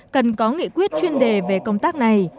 cần có nghị quyết chuyên đề về công tác này